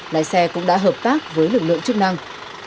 lái xe cũng đã hợp tác với lực lượng chức năng